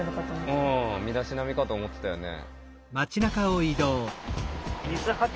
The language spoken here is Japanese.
うん身だしなみかと思ってたよね。